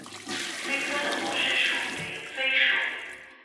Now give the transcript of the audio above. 鲱科的模式属为鲱属。